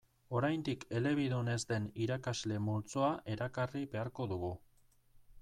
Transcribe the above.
Oraindik elebidun ez den irakasle multzoa erakarri beharko dugu.